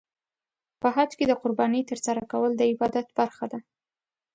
په حج کې د قربانۍ ترسره کول د عبادت برخه ده.